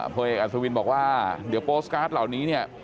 พ่อเอกอัศวินบอกว่าเดี๋ยวโปสตการ์ดเหล่านี้เนี่ย